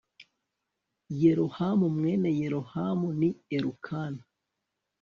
Yerohamu mwene Yerohamu ni Elukana